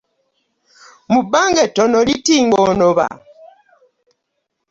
Mu bbanga ettono liti ng'onoba!